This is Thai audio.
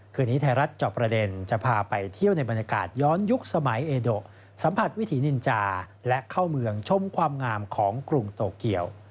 คืนนี้ไทยรัฐจอบประเด็นจะพาไปเที่ยวในบรรยากาศย้อนยุคสมัยเอโดสัมผัสวิถีนินจาและเข้าเมืองชมความงามของกรุงโตเกียว